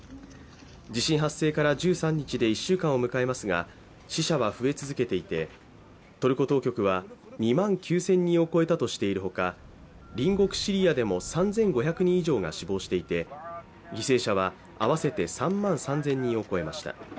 地震発生から１３日で１週間を迎えますが、死者は増え続けていて、トルコ当局は、２万９０００人を超えたとしているほか、隣国シリアでも３５００人以上が死亡していて犠牲者は合わせて３万３０００人を超えました。